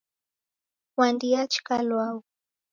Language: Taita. Fwandi yachika lwau